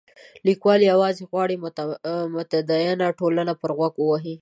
لیکوال یوازې غواړي متدینه ټولنه پر غوږ ووهي.